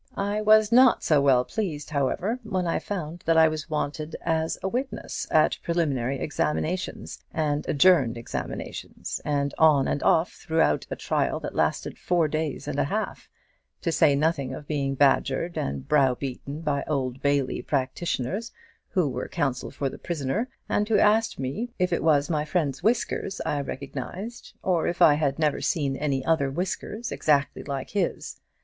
"I was not so well pleased, however, when I found that I was wanted as a witness at preliminary examinations, and adjourned examinations, and on and off through a trial that lasted four days and a half; to say nothing of being badgered and browbeaten by Old Bailey practitioners, who were counsel for the prisoner, and who asked me if it was my friend's whiskers I recognized, or if I had never seen any other whiskers exactly like his?